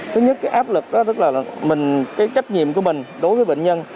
thứ nhất áp lực tức là trách nhiệm của mình đối với bệnh nhân